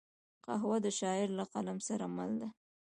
قهوه د شاعر له قلم سره مل ده